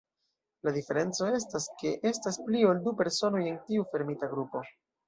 La diferenco estas, ke estas pli ol du personoj en tiu fermita grupo.